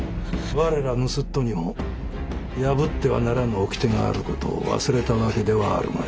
我ら盗人にも破ってはならぬ掟がある事を忘れた訳ではあるまい。